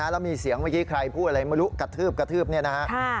แล้วมีเสียงเมื่อกี้ใครพูดอะไรมรุกกระทืบนะครับ